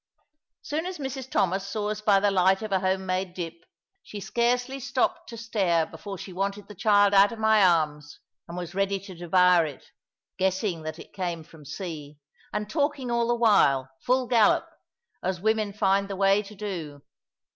Soon as Mrs Thomas saw us by the light of a home made dip, she scarcely stopped to stare before she wanted the child out of my arms, and was ready to devour it, guessing that it came from sea, and talking all the while, full gallop, as women find the way to do.